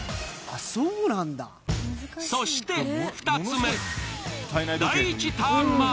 そして２つ目。